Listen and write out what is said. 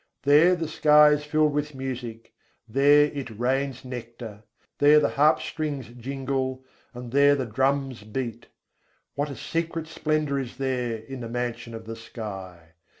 There the sky is filled with music: There it rains nectar: There the harp strings jingle, and there the drums beat. What a secret splendour is there, in the mansion of the sky!